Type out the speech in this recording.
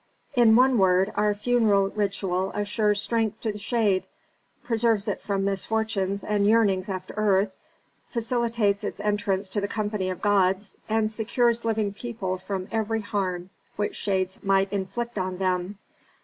"In one word, our funeral ritual assures strength to the shade, preserves it from misfortunes and yearnings after earth, facilitates its entrance to the company of gods, and secures living people from every harm which shades might inflict on them.